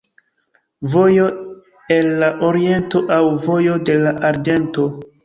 Vojo el la Oriento aŭ vojo de la arĝento.